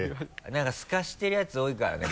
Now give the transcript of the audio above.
何かスカしてるヤツ多いからね